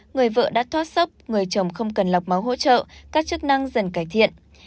người vợ đã thoát sốc người chồng không cần lọc máu hỗ trợ các chức năng dần cải thiện